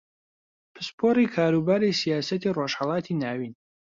پسپۆڕی کاروباری سیاسەتی ڕۆژھەڵاتی ناوین